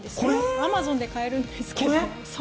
アマゾンで買えるんですけど。